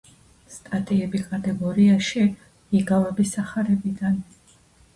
სტატიები კატეგორიაში „იგავები სახარებიდან“